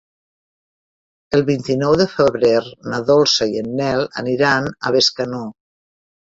El vint-i-nou de febrer na Dolça i en Nel aniran a Bescanó.